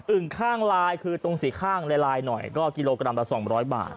ึ่งข้างลายคือตรงสีข้างลายหน่อยก็กิโลกรัมละ๒๐๐บาท